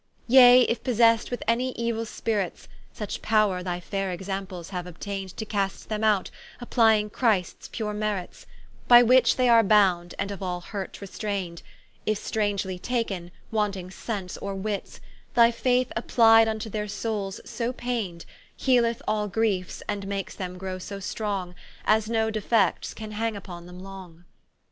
Yea, if possest with any euill spirits, Such powre thy faire examples haue obtain'd To cast them out, applying Christs pure merits, By which they are bound, and of all hurt restrain'd: If strangely taken, wanting sence or wits, Thy faith appli'd vnto their soules so pain'd, Healeth all griefes, and makes them grow so strong, As no defects can hang vpon them long.